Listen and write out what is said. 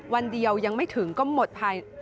วันเดียวยังไม่ถึงก็หมดภัย